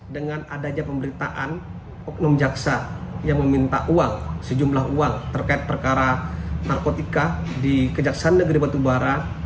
dengan adanya pemberitaan oknum jaksa yang meminta uang sejumlah uang terkait perkara narkotika di kejaksaan negeri batubara